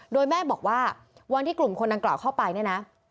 โดยแม่บอกว่าวันที่กลุ่มคนดังกล่าวเข้าไปเนี่ยนะ